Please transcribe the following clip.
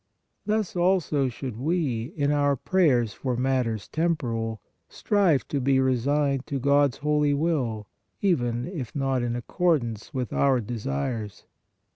Thus also should we in our prayers for matters temporal strive to be resigned to God s holy will, even if not in accordance with our desires.